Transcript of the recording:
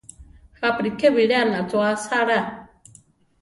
Jápi ríke biléana cho asála.